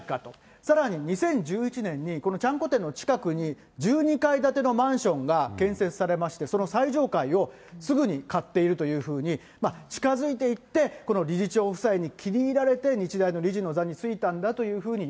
さらに２０１１年にこのちゃんこ店の近くに１２階建てのマンションが建設されまして、その最上階をすぐに買っているというふうに、近づいていって、この理事長夫妻に気に入られて日大の理事の座に就いたんだという